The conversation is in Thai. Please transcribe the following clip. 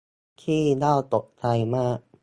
ขี้เหล้าตกใจมาก